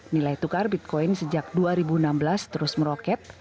nilai tukar bitcoin sejak dua ribu enam belas terus meroket